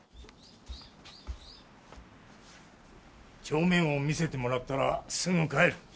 帳面を見せてもらったらすぐ帰る。